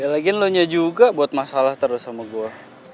lagian lo nya juga buat masalah terus sama gue